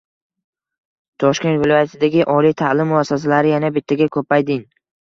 Toshkent viloyatidagi oliy ta’lim muassasalari yana bittaga ko‘payding